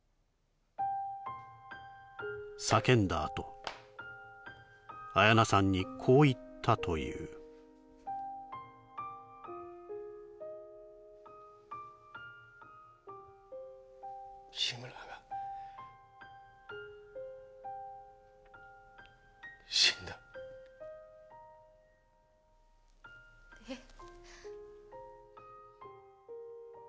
叫んだあと綾菜さんにこう言ったという志村が死んだえっ？